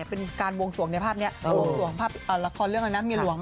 เป็นเลือกรของรักษาหรืออะไรนะมีล่วง